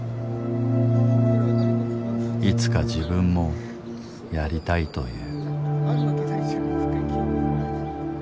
いつか自分もやりたいという。